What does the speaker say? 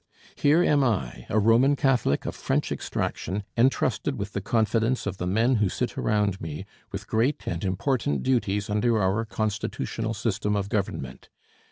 Here am I, a Roman Catholic of French extraction, entrusted with the confidence of the men who sit around me, with great and important duties under our constitutional system of government.